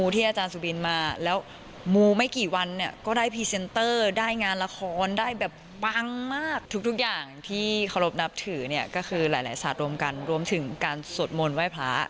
ที่เคารพนับถือเนี่ยก็คือหลายศาสตร์รวมกันรวมถึงการสวดมนต์ไว้พระ